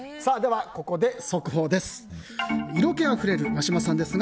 ここで速報です。